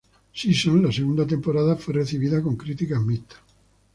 Season La segunda temporada fue recibida con críticas mixtas.